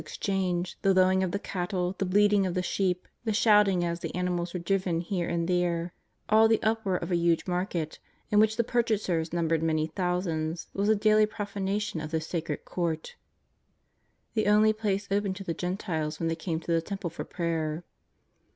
147 exchange, the lowing of the cattle, the bleating of the sheep, the shouting as the animals were driven here and there, all the uproar of a huge market in which the pur chasers numbered many thousands, was a daily profana tion of this sacred Court, the only place open to the Gentiles when they came to the Temple for prayer.